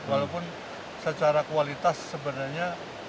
walaupun secara kualitas sebenarnya